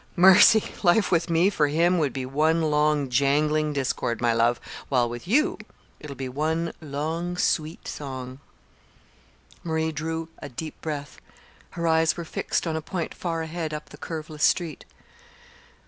Mercy! Life with me for him would be one long jangling discord, my love, while with you it'll be one long sweet song!" Marie drew a deep breath. Her eyes were fixed on a point far ahead up the curveless street.